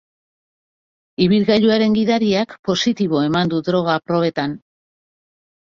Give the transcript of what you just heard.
Ibilgailuaren gidariak positibo eman du droga probetan.